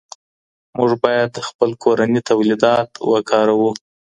موږ باید خپل کورني تولیدات وکاروو.